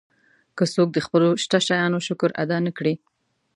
که څوک د خپلو شته شیانو شکر ادا نه کړي.